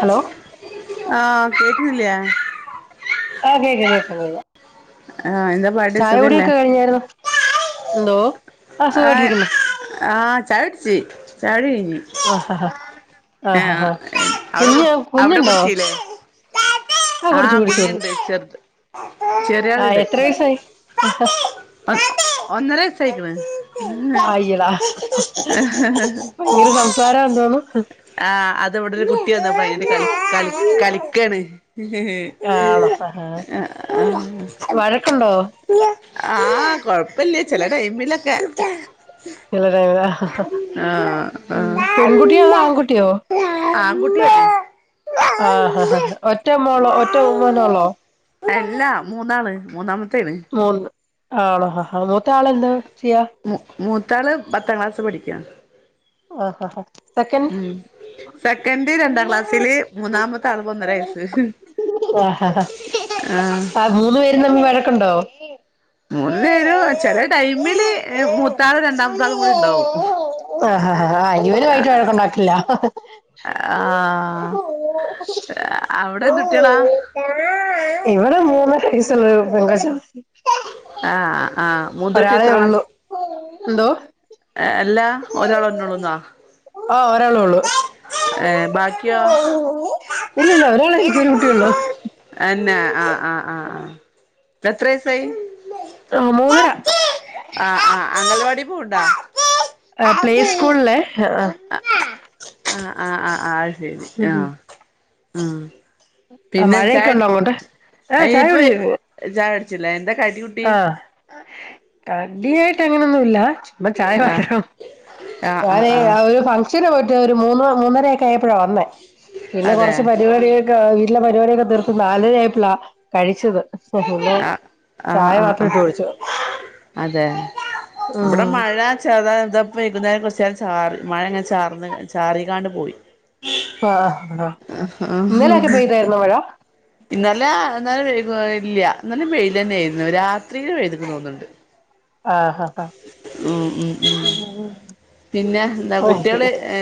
Hello [inaudible] ആഹ് കേക്കുന്നില്ലേ ആ കേക്ക കേക്ക കേക്ക [inaudible] ആ എന്താ പാട് സുഖല്ലേ ന്തോ ആ ആ ചായട്ച്ച് ചായുടി ക ആഹ ആ ആഹ ആ അവിടെ കു കുഞ്ഞു കുഞ്ഞ്ണ്ടോ ആഹ കുട്ടിണ്ട് ചെർത് ആഹ് ചെറിയളുണ്ട് എത്ര വയസായി ഒന്നര വയസായിക്ക്‌ണ് അയ്യടാ ഭയങ്കര സംസാരം ആണെന്ന് തോന്ന്ന്നു ആ അത്വ്ടരു കുട്ടി വന്നപ്പ അ കള കള കളിക്കാണ് ആണോ ആഹ് ആഹ് വഴക്കുണ്ടോ ആ കൊഴപ്പല്ല ചെല ടൈമിലൊക്കെ ഇല്ല ലേ ആഹ് ആഹ് പെൺകുട്ടിയോ അതോ ആൺകുട്ടിയോ ആൺകുട്ടിയാണോ ആഹ ഹ ഒറ്റ മോളോ ഒറ്റ മോനൊള്ളോ അല്ലാ മൂന്നാള് മൂന്നാമത്തെ മൂന്ന് ആണോ ആ മു മൂത്താള് പത്താം ക്ലാസ് പഠിക്കണ് ആഹാ ഹാ സെക്കന്റ് സെക്കൻഡ് രണ്ടാം ക്ലാസ്സില് മൂന്നാമത്തെ ആള്ക്ക് ഒന്നര വയസ്സ് ആ ആഹ് ആ മൂന്ന് പേര് തമ്മി വഴക്കോണ്ടോ മൂന്ന് പേരു ചെല ടൈമില് മൂത്താളും രണ്ടാമത്താളും കൂടിണ്ടാവും ആ ആ ഇവനുമായിട്ട് വഴക്കുണ്ടാക്കില്ല ആഹ് അവിടെ എന്തുട്ട്യാളാ ഇവടെ മൂ ഒരു വയസ്സുള്ളൊരു പെങ്കൊച്ച ആ ആ മൂത്തോട്ടി ഒരാളേ എത്രാം ക്ല ഒ ഒരാളേ ഉള്ളു ഏഹ് ബാക്കിയോ ഇല്ലല്ല ഒരാള് എനിക്കു ഒരു കുട്ടിയുള്ളു അന്നെ ആഹ് ആഹ് ആഹ് ആഹ് എത്ര വയസ്സായി ആ മൂന്നര ആ ആ അംഗൽവാടി പൂണ്ട ആ പ്ലേ സ്കൂളില് ആ ആ ആ ശരി ആ ആ ആ മഴയൊക്കെ ഉണ്ടാങ്ങോട്ട് അയി ഇപ്പെയ് ചാ ചായ കുട്ച്ചിലെ എന്താ കടി കൂട്ടി ആ കടിയായിട്ട് അങ്ങനെ ഒന്നും ഇല്ല അപ്പം ചായ ആഹ് പറെണം ആഹ് ആഹ് ഞാനെ ആഹ് ആ ഒരോ ഫ ഷെൺ പോയിട്ട് ഒര് മൂന്ന് മൂന്നരയൊക്കെ ആയപ്പെഴാ വന്നേ പിന്നെ അതെ കൊറച്ച് പരിപാടൊക്കെ വീട്ടിലെ പരിപാടിയൊക്കെ തീർത്ത് നാലര ആയപ്പെളാ കഴിച്ചെത് പിന്നെ ആ ചായ ആ മാത്രം ആ ഇട്ട് കുടിച്ചു അതെ ഇബെടെ ഉം മഴ [unintelligible] ഇതാപ്പം വൈകുന്നേരം കൊർച്ചേരം ചാറി മഴ ഇങ്ങനെ ചാർന്ന് ചാറിക്കാണ്ട് പോയി ആ ആഹ് [inaudible] ഇന്നലെയൊക്കെ പെയ്തായിരുന്നോ മഴ ഇന്നെലെ വൈകുന്നേരം ഇല്ല ഇന്നെലെ വെയിലെന്നെയ്ന്നു രാത്രിയിൽ പെയ്ത്ണ് തോന്ന്ണ്ട് ആഹാ ഉ ഉം ഉം പിന്നെ എന്താ ആഹ് കുട്ടികള് ആ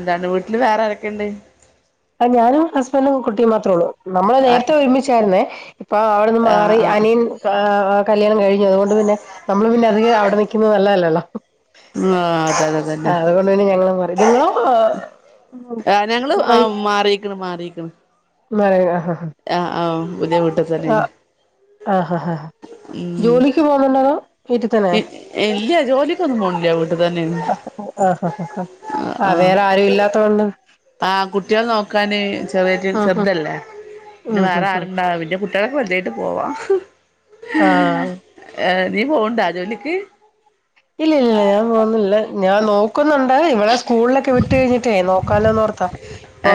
എന്താണ്ട് വീട്ടില് വേറെ ആരൊക്കെയുണ്ട്? ഞാനും ഹസ്ബൻഡും കുട്ടിയും മാത്രേ ഒള്ളൂ. നമ്മള് ആഹ് നേരത്തെ ഒരുമിച്ചായിരുന്നേ അപ്പൊ അവിടെന്ന് ആഹ് മാറി ആഹ് അനിയൻ പൊ ആ കല്യാണംകഴി അതുകൊണ്ട് പിന്നെ നമ്മള് പിന്നെ അധികം അവിടെ നിക്കുന്നത് നല്ലതല്ലല്ലോ. ആഹ് അതെ. അതന്നെ ആ അതുകൊണ്ട് തന്നെ ഞങ്ങള് മാറി. നിങ്ങളോ ആ ആ ഞങ്ങള്ആ മാറിക്കണ് മാറി. ക്കണ്. [unintelligible] ആ ആഹ് പുതിയ വീട്ടി തന്നെ ആഹ് ആഹ് ആ ആ ജോലിക്ക് പോണുണ്ടോ തോ ഇല്ല ജോലിക്കൊന്നും പോണില്ല വീ ആ ആ വേറെ ആരും ഇല്ലാത്ത കൊണ്ട് ആ കുട്ടികൾ നോക്കാന് ചെറിയ ആഹ് ആഹ് ചെറുതല്ലേ ഇന്ന ഉം വേറെ ഉം ആരുണ്ടാവില്ല. കുട്ടികളൊക്കെ വലുതായിട്ട് പോവാ. ആഹ് ആ നീ പോണുണ്ടാ ജോലിക്ക്? ഇല്ല ഇല്ലില്ല ഞാൻ പോന്നില്ല. ഞാ നോക്കുന്നുണ്ട് ഇവളെ സ്കൂളിലൊക്കെ വിട്ട് കഴിഞ്ഞിട്ടേ നോക്കാലോന്ന് ഓർത്താ.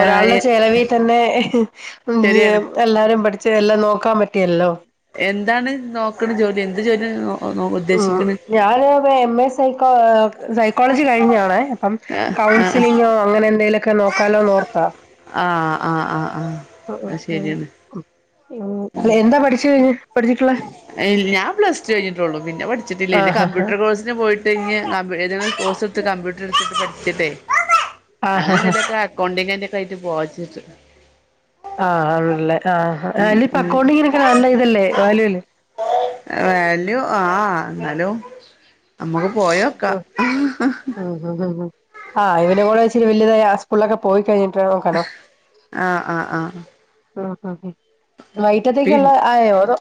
ഒരാളുടെ ചെലവി തന്നെ [unintelligible] ശരിയാണ് ന്തയ്യാം എല്ലാരും പടി എല്ലാം നോക്കാൻ പറ്റിയല്ലോ. എന്താണ് നോക്കുന്നത് ജോലി എന്ത് ജോലിയ നോ ഉം ഉദ്ദേശിക്ക്ണ് ഞാന് എം എ സൈ സൈക്കോളജി കഴിഞ്ഞാണേ അപ്പം ഏഹ് ആഹ് കൗൺസിലിംഗോ അങ്ങനെ എന്തെലു ഒക്കെ നോക്കല്ലൊന്നോർത്ത ആഹ് ആഹ് ആഹ് ആഹ് അത് ശരിയാണ് അല്ല എന്താ പഠിച് കഴിഞ്ഞ പഠിച്ചിട്ടുള്ളേ ഞാൻ പ്ലസ് ടു കഴിഞിട്ടേ ഉള്ളൂ പിന്നെ പഠിച്ചിട്ടില്ല പിന്നെ ആഹ് ഹ കമ്പ്യൂട്ടർ കോഴ്സിന് പോയിട്ട് ഏതങ്കിലും എടുത്ത് കമ്പ്യൂട്ടർ [unintelligible] പ കട്ട [unintelligible] ആഹ് അങ്ങനെ ഹ ഇതൊക്ക കൊണ്ടിങ്ക ായിട്ട് പോച്ചിട്ട [unintelligible] ആഹ് ആണല്ലേ ആ അല്ല ഇപ്പൊ ഉം അക്കൗണ്ടിങ്ങിനൊക്കെ നല്ല ഇതല്ലേ വാല്യൂ അല്ലെ വാല്യൂ ആ എന്നാലും നമ്മുക്ക് പോയി നോക്കാം ആ ഇവൻ കൂടെ ഇച്ചരിവലുതായ സ്കൂളൊക്കെ പോയി കഴിഞ്ഞിട്ട് നോക്കാനോ ആ ആഹ് ആഹ് ആ ആ പിൻ വൈകിട്ടേത്തേക്കുള്ള ആയോ അതോ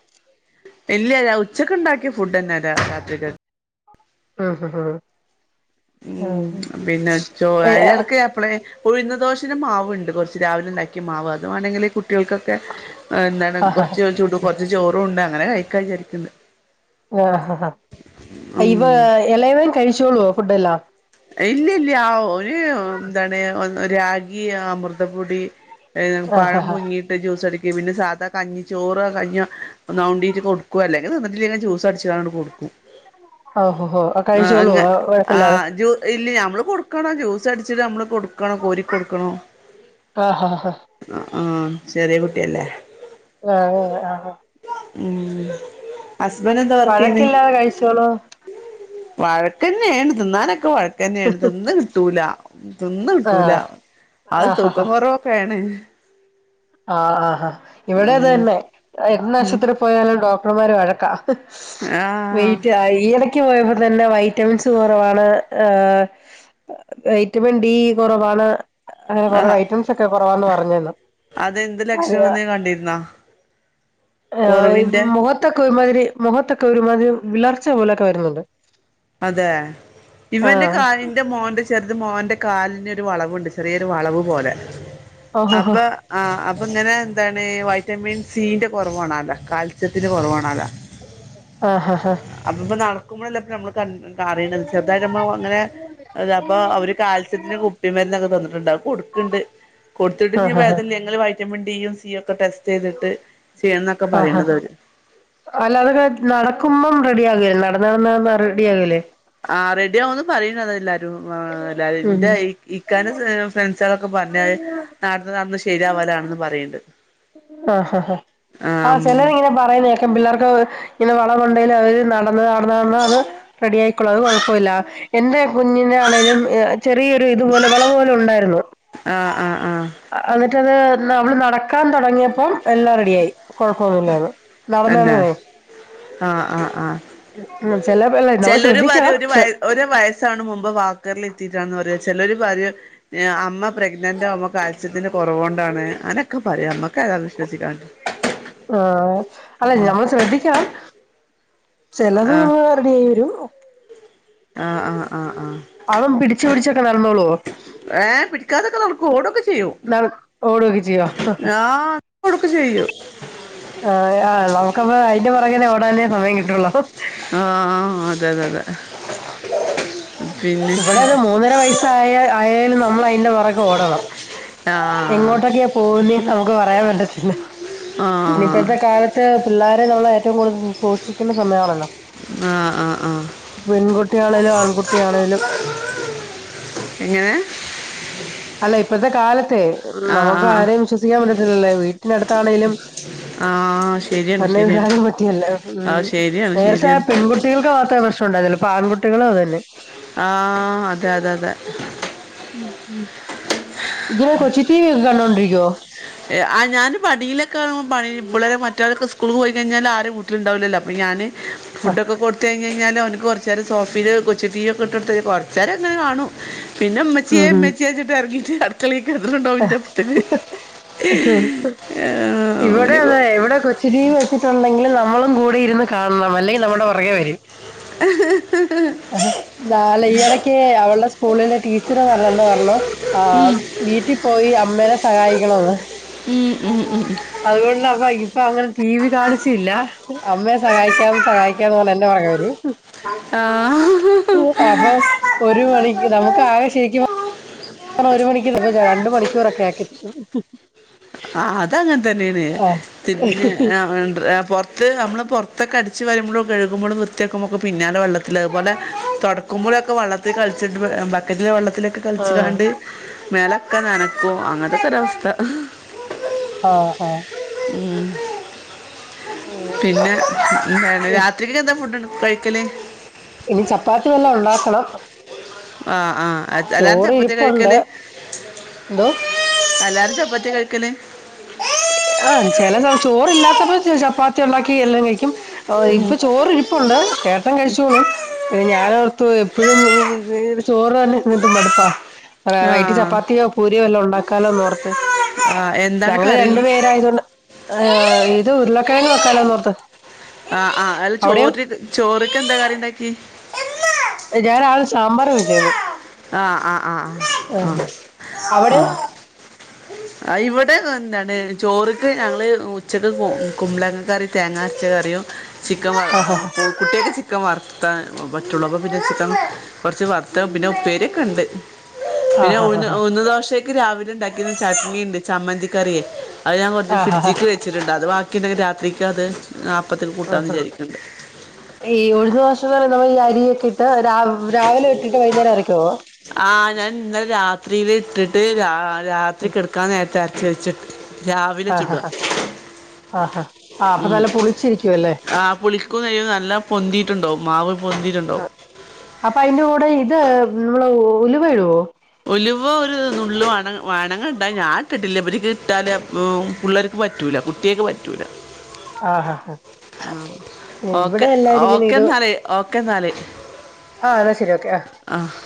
ഇല്ല. ഉച്ചക്ക് ഉണ്ടാക്കിയ ഫുഡ് തന്നെ താ രാത്രിക്ക ആഹ ഹ ഉം പിന്നെ ചോ ഏഹ് അരിടക്ക എപ്പളെ ഉഴുന്ന് ദോശൻ്റെ മാവുണ്ട് കുറച്ച്. രാവിലെ ഉണ്ടാക്കി മാവ് അത് വേണെങ്കില് കു ട്ടികൾക്കൊക്കെ എന്താണ് ആഹ് കൊറച്ച് ചുടും കൊ ചോറും ഉണ്ട് അങ്ങനെ കൈക്കാന്ന് വിചാരിക്കണ്ട്. വാഹഹ ആ ഇവ ഉം ഇളയവൻ കഴിച്ചോളോ ഫുഡ്ഡെല്ലാ ഇല്ല ഇല്ല ആ ഒര് എന്താണ് രാഗി അമൃതപ്പൊടി ഏനും ആഹ് പഴം ഹ പുഴുങ്ങിയിട്ട് ജ്യൂസടി പിന്നെ സാധാ കഞ്ഞി ചോറോ കഞ്ഞ്യോ ഒന്നവണ്ടീട്ട് കൊടുക്കുവല്ലോ. അല്ലെങ്കി തിന്നില്ലെങ്കി ജ്യൂസ് അടിച്ച് ഇതങ്ങോട്ട് കൊടുക്കും. ഓഹഹോ ആ കഴിച്ചോളോ അങ്ങ ഓ ആ കൊഴപ്പില്ലാതെ ജൂ ഇല്ല. ഞമ്മള് കൊടുക്കണം. ജ്യൂസ് അടിച്ചിട്ട് നമ്മള് കൊടുക്കണം. കോരി കൊടുക്കണം ആഹ് ഹ ആ ആ ചെറിയ കു ട്ട്യല്ലേ. ആ ഹെ ആഹാ ഉം ഹസ്ബൻഡ് എന്താ വർക്ക് ചെയ്യണ് വഴക്കില്ലാതെ കഴിച്ചോളോ? വഴക്ക് തന്നെയാണ് തിന്നാനൊക്കെ വഴ തന്നെയാണ് ഇതൊന്നും കിട്ടൂല തിന്ന് കിട്ടൂല ആഹ് അത് തൂക്കം ഹ കുറവൊക്കെയാണ് ആഹ് ആഹ് ആഹ് ഇവിടെ അത് ഉം തന്നെ എന്ന് ആശുപത്രി പോയാലും ഡോക്ട ഇവള് മാരെ വഴക്കാ ആഹ് വെയിറ്റ് ആഹ് ഈ എടയ്ക്ക് ക്ക് പോയപ്പോ തന്നെ വൈറ്റമിൻസ് കുറവാണ് ആഹ് വൈറ്റമിൻ ഡി കുറവാണ് കൊറേ ആഹ് വൈറ്റമിൻസൊക്കെ കൊറവാന്ന് പറഞ്ഞെന്ന് അതെന്ത് ലക്ഷണം നീ കണ്ടിരുന്നാ ആഹ് കൊറവിന്റെ മുഖത്തൊക്കെ ഒരുമാതിരി മുഖത്തൊക്കെ ഒരു മാ ആദ്യം വിളർച്ച പോലൊക്കെ വരുന്നുണ്ട് അതെ ഇവന്റെ ആഹ് കാലിന്റെ മോന്റെ ചെറുത് മോൻ്റെ കാലിന് ഒരു വളവുണ്ട് ചെറിയൊരു വളവ് പോലെ അപ്പ ഓഹോഹോ ആഹ് അപ്പ ഇങ്ങനെ എന്താണ് വൈറ്റമിൻ സിന്റെ കുറവാണല്ല കാൽ സ്യത്തിന് കൊറവാണത ആഹ്ഹ അപ്പ ഇപ്പൊ നട ക്കുമ്പോഴൊക്കെ നമ്മള് ക റേസ് ചെറുതായിട്ട് അങ്ങനെ പ്പൊ അവര് കാൽസ്യത്തിന് കുപ്പി മരുന്നൊക്കെ തന്നിട്ടിണ്ട് കൊടുക്കണ്ട് കൊടുത്തിട്ട് ഇനി ആഹ്ഹ വേദന ങ്ങള് വൈറ്റമിൻ ഡി ബി യൊ സി ഓ ഇപ്പം ടെസ്റ്റ് ചെയ്തിട്ട് ചെയ്യണം എന്നൊക്കെ ആഹ് പറയണത് അവര് അല്ല അതൊക്കെ നടക്കുമ്പം റെഡി ആകല്ലേ നടന്ന് നടന്ന് നടന്ന് റെഡി ആകല്ലേ ആ റെഡിയാവുമെന്ന് പറയുന്നത് എല്ലാരും ഉം എന്റെ ഇക്കാന ഫ്രണ്ട്സുകളൊക്കെ പറഞ്ഞത് നടന്ന് നടന്ന് ശെരിയാവാലാണെന്ന് പറയണ്ട് ആ ഹാ ഹാ ആ ആഹ് ചെലര് ഇങ്ങനെ പറയുന്ന ക്കെ പിള്ളേർക്ക് ഇങ്ങനെ വളവുണ്ടേല് അവര് നടന്ന് നടന്ന് നടന്ന് അത് റെഡി ആയിക്കോള്ളൂ അത് കൊഴപ്പമില്ല എന്റെ കുഞ്ഞിന് ആണെലും ചെറിയൊരു ഇതുപോലെ വളവ് പോലെ ഉണ്ടായിരുന്നു ആ ഹ് ആഹ് ആഹ് മറ്റേത് ഇന്ന് അവള് നട നടക്കാൻ തോടങ്ങിയപ്പം എല്ലാം റെഡിയായി കൊഴപ്പൊന്നുമില്ലന്ന് നടന്ന് നടന്നേ ആ [unintelligible] നമ്മള് ചെലര് പറയും ശ്രദ്ധിക്കണം ഒരു ചെ വയ ഒരു വയസ്സാണ് മുമ്പ് വാക്കറിൽ ഇരുത്തിയിട്ടാണെന്ന് പറയും ചെലരു പറയും അമ്മ പ്രെഗ്നന്റ ആവുമ്പം കാൽസ്യത്തിന് കൊറവ് കൊണ്ടാണ് അനൊക്കെ പറയും ഞമ്മക്ക് ഏതാ വിശ്വസിക്കാണ്ട് ആ അല്ല ഞമ്മള് ശ്രദ്ധിക്കണം ചെലത് ആഹ് നമ്മള് റെഡി ആയി വരും ആഹ് ആഹ് ആഹ് ആഹ് അതും പിടിച്ചു പിടിച്ചൊക്കെ നടന്നോളുവോ ഓടോക്കെചെ ചെയ്യോ ചെയ്യോ ആഹ് ഓടൊക്കെ ചെയ്യും ആഹ് ആ നമുക്കപ്പം അയിന്റെ പുറകെനെ ഓട അതന്നേ സമയം കിട്ടുള്ളോ ആ അതെതെ അതെ പിന്നെ ഇവിടെത് മൂന്നര വയസ്സായ ആയാലും നമ്മള് അയ്ന്റെ പുറകെ ഓടണം ആ എങ്ങോട്ടൊക്കെയാ പോകുന്നേ നമുക്ക് പറയാൻ പറ്റത്തില്ല ആ പിന്നെ ഇപ്പോഴത്തെ കാലത്ത് പിള്ളാരെ നമ്മള് ഏറ്റവും കൂടുതൽ സൂക്ഷിക്കുന്ന സമയാണല്ലോ ആ ആ ആഹ് കുട്ടി ആണേലും ആൺകുട്ടിയണേ എങ്ങനെ? അല്ല ഇപ്പത്തെ കാലത്തെ ഉം ആ ആ നമുക്ക് ആരേയും വിശ്വസിക്കാൻ പറ്റത്തി ഇല്ല വീട്ടിനടുത്താണേലും ആ ശരിയാണ് തന്നെ ശരിയാണ് പിള്ളാരെ പറ്റിയല്ലോ ആ ഉം ശരിയാണ് നേരത്തെ ശരിയാണ് പെൺകുട്ടികൾക്ക് മാത്രേ പ്രശ്നം ഉണ്ടാരുന്നുള്ളു പ്പ ആൺകുട്ടികളും അതന്നെ ആഹ് അതെ അതെ അതെ ഇങ്ങന കൊച്ചി ടീവി കെ കാണ്ടോണ്ടിരിക്കോ ആഹ് ഞാന് മടിയിലൊക്കെ [unintelligible] മറ്റരൊക്കെ സ്കൂള് പോയിക്കഴിഞ്ഞാൽ ആരും വീട്ടിലുണ്ടാവില്ലല്ലോ അപ്പൊ ഞാന് ആ ഫുഡൊക്കെ കൊടുത്ത് കഴിഞ്ഞഴിഞ്ഞാല് അവനിക്ക് കുറച്ച് നേരം സോഫയില് കൊച്ച് ടീവി ഒക്കെ ഇട്ട് കൊടുത്ത് കൊറച്ച നേരം അങ്ങനെ കാണും പിന്നെ മ്മച്ചിയെ ഉം മ്മച്ചിയെ ച്ചിട്ട് എറങ്ങി അടക്കല തണ്ടാവും ഇന്റെപ്പത്തിൽ ഇവിടെ അതാ കൊ- ഇവിടെ കൊച്ചി ടി വി വെച്ചിട്ടുണ്ടെങ്കിൽ ന നമ്മളും കൂടെ ഇരുന്ന് കാണണം അല്ലെങ്കിൽ നമ്മുടെ പുറകെ വരും ആ ഞാ ഈയിടക്ക് അവളുടെ സ്കൂളിലെ ടീച്ചർ പറഞ്ഞെന്ന് പറഞ്ഞു ആ ഉം, വീട്ടിൽ പോയി അമ്മേനെ സഹായിക്കണംന്ന് ഉം, ഉം, ഉം. അതുകൊണ്ട് ഇപ്പം അങ്ങനെ ടി വി കാണിച്ചില്ല അമ്മയെ സഹായിക്കാം സഹായിക്കാംന്ന് പറഞ്ഞ് എന്റെ പുറകെ വരും ആ അപ്പൊ ഒരു മണിക്ക് നമുക്ക് ആകെ ശരിക്കും ഒരു മണിക്കൂ ഇപ്പ രണ്ട് മണിക്കൂറൊക്കെ ആക്കി തരും ആഹ് അതങ്ങനെ നിയന്ന് തിന്ന് ആ പൊറത്ത് അമ്മള് പൊറത്തൊക്കെ അടിച്ച് വാരുമ്പോഴു. കഴുകുമ്പോഴും വൃത്തിയാക്കുമ്പോൾക്ക് പിന്നാലെ വെള്ളത്തി അതുപോല തുടക്കുമ്പോഴൊക്കെ വെള്ളത്തിൽ കളിച്ചിട്ട് ബക്കറ്റിൽ വെള്ളത്തിൽ ക്കെ കളിച്ചികണ്ട് മേ ഒക്കെ നനക്കോ അങ്ങനത്തൊക്കെ ഒരവസ്ഥ ആഹ് ആഹ് പിന്നെ എന്താണ് രാത്രിക്ക് എന്താ ഫുഡ്ണ്ട് കഴിക്കല് ഇനി ചപ്പാത്തി വെല്ലോം ഉണ്ടാക്കണം ആ ആഹ് അല്ലാരും ചോറ് ചപ്പാത്തിയാ ഇരിപ്പുണ്ട് കഴിക്കല് എന്തോ എല്ലാരും ചപ്പത്തിയാ കഴിക്കല് ആ ചെല ചോറില്ലാത്തപ്പോ ചപ്പാത്തി ഒണ്ടാക്കി എല്ലാം കഴിക്കും ഉം. ഇപ്പൊ ചോറ് ഇരിപ്പുണ്ട് ചേട്ടൻ കഴിച്ചോളും പിന്നെ ഞാനോർത്ത് ഇപ്പോഴും ചോറ് തന്നെ എന്നിട്ടും മടുപ്പാ ആ വൈട്ട് ചപ്പാത്തിയോ പൂരിയോ എല്ലാം ഉണ്ടാക്കാലോന്ന് ഓർത്ത് ആ എന്താണ് ഞങ്ങള് കറി രണ്ട പേരായതൊണ്ട് ഏഹ് ഇത് ഉരുളക്കിഴങ്ങുവൊക്കെ ക്കാലോന്നോർത്ത് ആഹ് ആഹ് അൽ ചോറിത് ചോ ക്കാൻ എന്താ കറിയുണ്ടാക്കിയേ ഞാൻ രാവിലെ സാമ്പാർ വെച്ചായിരുന്നു ആഹ് ആഹ് ആഹ് അവിടെയോ ആഹ് ആഹ് ഇവിടെ ഇതുതന്നെയാണ് ചോറ്ക്ക് ഞങ്ങള് ഉച്ചക്ക് കുമ്പളങ്ങ കറി തേങ്ങാരച്ചകറിയും ചിക്കൻ വറ് ആഹ് കുട്ടിയക്ക് ചി ക്കൻ വർത്താൻ പറ്റുള്ളൂ അപ്പൊ പിന്നെ ചിക്കൻ കൊറച്ച് വറുത്ത് പിന്നെ ഉപ്പേരിയൊക്കെണ്ട് പിന്നെ ആഹ് ആഹ് ഉഴുന്ന് ആഹ് ഉഴുന്ന് ദോശ ക്ക് രാവിലെ ഇണ്ടാക്കിയത് ചട്നിയിണ്ട് ചമ്മന്തി കറിയെ അത് ഞാൻ കൊറച്ച് ആഹ് ആഹ് ഹാ ഫ്രിഡ്ജിക്ക് വെച്ചിട്ട്ണ്ട് അത് വാ [unintelligible] രാത്രിക്കും അത് അപ്പത്തിന് ആ കൂട്ടാന്ന് ആ വിചാരിക്കണ്ട് ഈ ഉഴുന്ന് ദോശാന്ന് പറയുന്നത് നമ്മള് ഈ അരിയെ ക്കെ ഇ ട്ട് രാ രാവ് രാവിലെ ഇട്ടിട്ട് വൈകുന്നേരം അരയ്കൊ ആ ഞാൻ ഇന്നലെ രാത്രിയില് ഇട്ടിട്ട് രാ രാത്രി കിടക്കാനേരത്ത് അര ച്ച് വെച്ചിട്ട് രാവിലെ ആ ആ ചുടുക ഹ ആ ആ അപ്പൊ ഉം നല്ല പുളിച്ചിരിക്കുമല്ലേ ആഹ് പുളിക്കും നെയ്യും നല്ല പൊന്തിയിട്ടുണ്ടാവും മാവ് പൊന്തിയിട്ടുണ്ടാവും അപ്പൊ അതിന്റെ കൂടെ ഇത് നമ്മള് ഉലുവായിടുവോ ഉലുവ ഒരു നുള്ള് വണ വണങ്ങാണ്ടാ ഞാന് ഇട്ടിട്ടില്ല ഇവർക്ക് ഇട്ടാല് അപ്പൊ പിള്ളേർക്ക് പറ്റൂല കുട്ടിയെക് പറ്റൂല ആ ഹ ഹാ ഓക്കെ ഇവിടെ ഓക്കെ എല്ലാരുമിങ്ങനെയൊരു എന്നാല് ഓക്കെ എന്നാല് ആ എന്നാ ശരി ഓക്കെ ആ ആഹ്